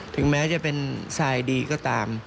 ถึงแม้จะเป็นทรายดีก็ตาม